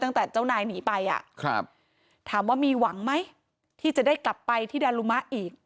ตั้งแต่เจ้านายหนีไปถามว่ามีหวังไหมที่จะได้กลับไปที่ดารุมะอีก